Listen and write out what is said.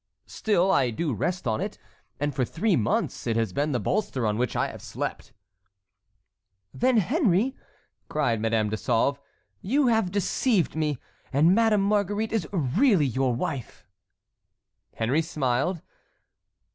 "Still I do rest on it, and for three months it has been the bolster on which I have slept." "Then, Henry!" cried Madame de Sauve, "you have deceived me, and Madame Marguerite is really your wife." Henry smiled.